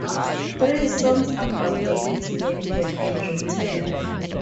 Three songs about the lake's name have been written.